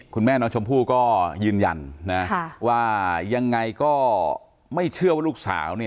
คุณแม่น้องชมพู่ก็ยืนยันนะว่ายังไงก็ไม่เชื่อว่าลูกสาว